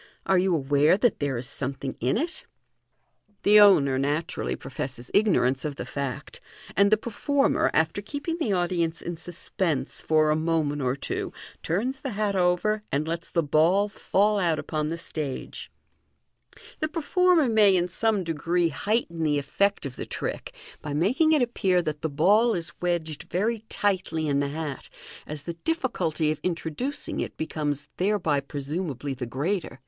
Are you aware that there is something in it ?" The owner natu rally professes ignorance of the fact; and the performer, after keeping the audience in sus pense for a moment or ball fall out upon the stage. 3o6 MODERN MAG1CX The performer may in some degree heighten the effect of the trick by making it appear that the ball is wedged very tightly in the hat, as the difficulty of introducing it becomes thereby presumably the greater.